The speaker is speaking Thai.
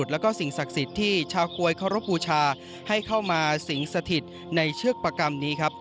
แล้วก็สิ่งศักดิ์สิทธิ์ที่ชาวกวยเคารพบูชาให้เข้ามาสิงสถิตในเชือกประกรรมนี้ครับ